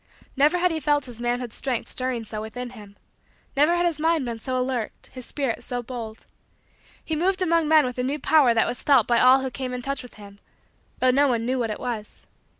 Never had he felt his manhood's strength stirring so within him. Never had his mind been so alert, his spirit so bold. He moved among men with a new power that was felt by all who came in touch with him; though no one knew what it was.